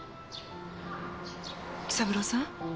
紀三郎さん？